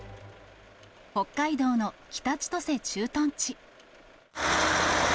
北海道の北千歳駐屯地。